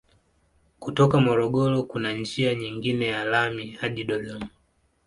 Kutoka Morogoro kuna njia nyingine ya lami hadi Dodoma.